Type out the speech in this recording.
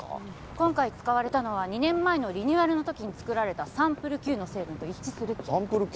今回使われたのは２年前のリニューアルの時に作られたサンプルＱの成分と一致するってサンプルＱ？